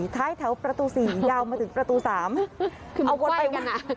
ท้ายแถวประตู๔ยาวมาถึงประตู๓คือมันคว่ายกันนะ